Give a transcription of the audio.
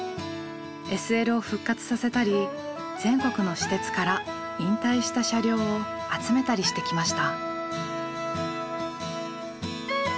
ＳＬを復活させたり全国の私鉄から引退した車両を集めたりしてきました。